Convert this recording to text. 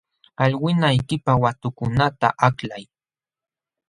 Allwinaykipaq watukunata aklay.